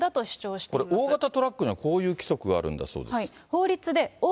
これ、大型トラックにはこういう規則があるんだそうです。